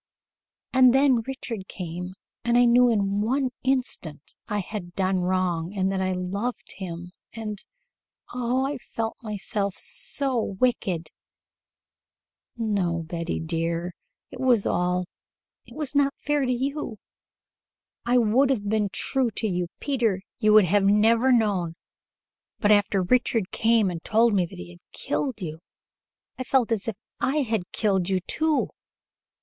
"And then Richard came, and I knew in one instant that I had done wrong and that I loved him and oh, I felt myself so wicked." "No, Betty, dear. It was all " "It was not fair to you. I would have been true to you, Peter; you would have never known but after Richard came and told me he had killed you, I felt as if I had killed you, too.